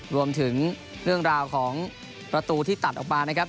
รวมถึงเรื่องราวของประตูที่ตัดออกมานะครับ